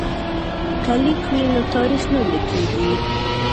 که لیک وي نو تاریخ نه ورکیږي.